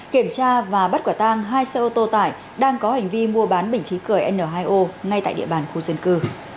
kiểm tra và bắt quả tang hai xe ô tô tải đang có hành vi mua bán bình khí cười n hai o ngay tại địa bàn khu dân cư